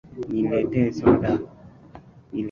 Niletee soda